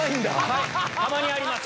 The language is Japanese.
はいたまにあります。